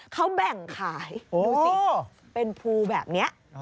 เขาแบ่งขายดูสิเป็นภูแบบนี้